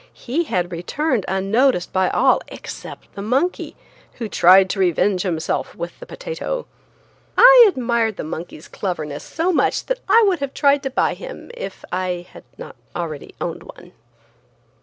He had returned unnoticed by all except the monkey, who tried to revenge himself with the potato. I admired the monkey's cleverness so much that I would have tried to buy him if I had not already owned one.